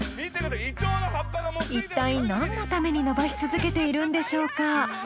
いったいなんのために伸ばし続けているんでしょうか。